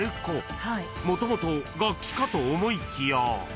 ［もともと楽器かと思いきや］